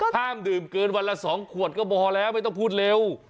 ห้ามดื่มเกินวันละ๒ขวดก็พอแล้วไม่ต้องพูดเร็ว